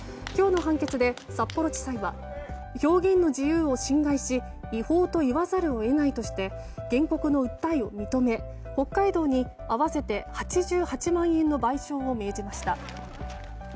今日の判決で札幌地裁は表現の自由を侵害し違法と言わざるを得ないとして原告の訴えを認め北海道に合わせて８８万円の賠償を命じました。